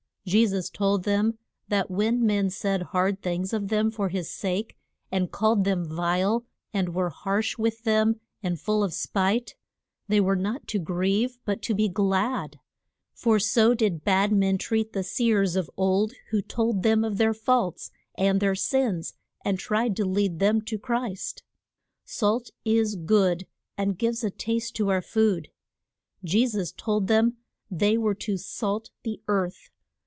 Je sus told them that when men said hard things of them for his sake, and called them vile, and were harsh with them and full of spite, they were not to grieve but to be glad. For so did bad men treat the seers of old who told them of their faults and their sins and tried to lead them to Christ. Salt is good, and gives a taste to our food. Je sus told them they were to salt the earth.